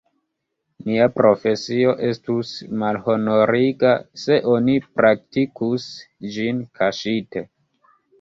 Nia profesio estus malhonoriga, se oni praktikus ĝin kaŝite.